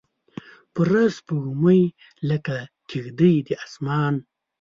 پوره سپوږمۍ لکه کیږدۍ د اسمان